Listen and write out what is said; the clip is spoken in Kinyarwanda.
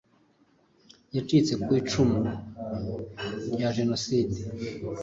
yacitse ku icumu rya jenoside